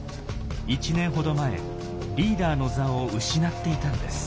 １年ほど前リーダーの座を失っていたんです。